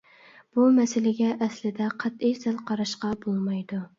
بۇ مەسىلىگە ئەسلىدە قەتئىي سەل قاراشقا بولمايدۇ.